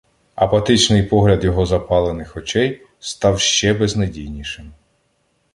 Апатичний погляд його запалених очей став ще безнадійнішим.